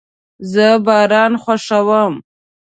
زه باران خوښوم